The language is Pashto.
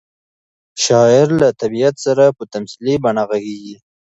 شاعر له طبیعت سره په تمثیلي بڼه غږېږي.